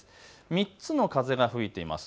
３つの風が吹いています。